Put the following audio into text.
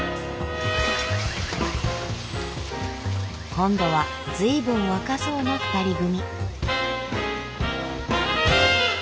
今度は随分若そうな２人組。